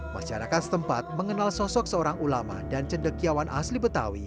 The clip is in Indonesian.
masyarakat setempat mengenal sosok seorang ulama dan cendekiawan asli betawi